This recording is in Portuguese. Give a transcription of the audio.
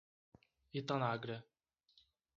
Itanagra